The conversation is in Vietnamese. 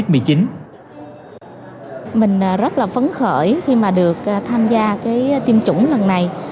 mình rất là vấn khởi khi được tham gia tiêm chủng lần này